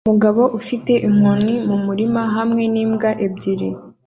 Umugabo ufite inkoni mu murima hamwe n'imbwa ebyiri